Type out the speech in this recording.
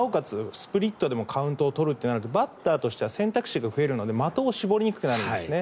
スプリットでもカウントを取ることができるとなるとバッターとしては選択肢が増えるので的を絞りにくくなるんですね。